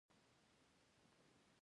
• دښمني د تاوان نښه ده.